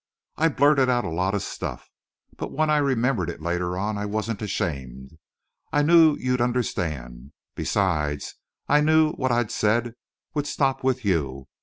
I blurted out a lot of stuff. But when I remembered it later on I wasn't ashamed. I knew you'd understand. Besides, I knew that what I'd said would stop with you.